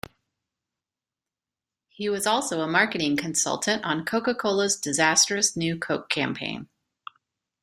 He was also a marketing consultant on Coca-Cola's disastrous New Coke campaign.